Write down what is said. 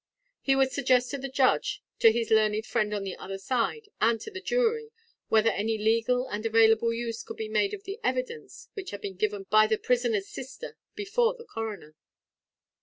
He would suggest to the judge, to his learned friend on the other side, and to the jury, whether any legal and available use could be made of the evidence which had been given by the prisoner's sister before the coroner.